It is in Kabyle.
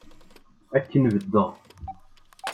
Akken beddeɣ.